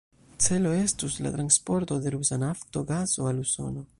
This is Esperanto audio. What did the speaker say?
Celo estus la transporto de rusa nafto, gaso al Usono.